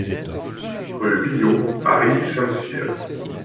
Rue Billot à Rilly-Sainte-Syre